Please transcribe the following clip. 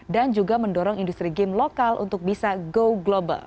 dan juga mendorong industri game lokal untuk bisa go global